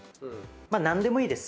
何でもいいです